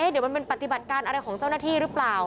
เดี๋ยวมันเป็นปฏิบัติการอะไรของเจ้าหน้าที่หรือเปล่า